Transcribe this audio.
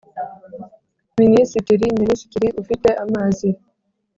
Minisitiri Minisitiri ufite amazi